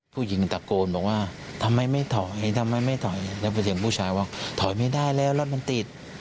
ผู้หญิงตะโกนบอกว่าทำไมไม่ถอยทำไมไม่ถอยแล้วเป็นเสียงผู้ชายว่าถอยไม่ได้แล้วรถมันติด